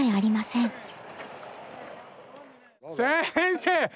先生！